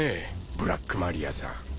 ブラックマリアさん。